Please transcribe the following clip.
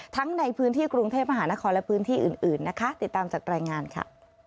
ในพื้นที่กรุงเทพมหานครและพื้นที่อื่นนะคะติดตามจากรายงานค่ะ